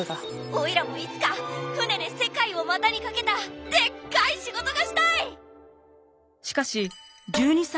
おいらもいつか船で世界を股にかけたでっかい仕事がしたい！